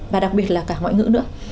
và đặc biệt là cả ngoại ngữ nữa